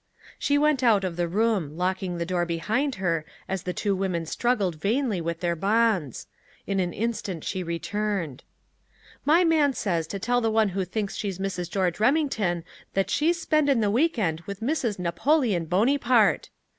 She went out of the room, locking the door behind her as the two women struggled vainly with their bonds. In an instant she returned. "My man says to tell the one who thinks she's Mrs. George Remington that she's spendin' the week end with Mrs. Napoleon Boneypart."